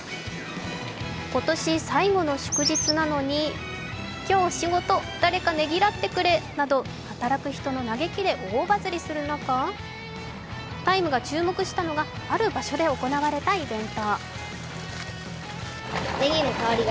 今年最後の祝日なのに、今日仕事、誰かねぎらってくれなど働く人の嘆きで大バズリする中、「ＴＩＭＥ，」が注目したのが、ある場所で行われたイベント。